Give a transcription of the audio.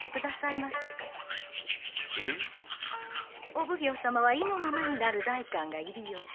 お奉行様は意のままになる代官が入り用。